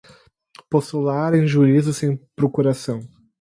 postular em juízo sem procuração